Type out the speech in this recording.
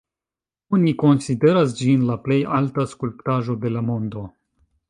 Oni konsideras ĝin la plej alta skulptaĵo de la mondo.